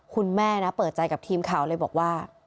คุณแม่นะเปิดใจกับทีมข่าวเลยบอกว่า